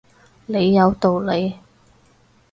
你有道理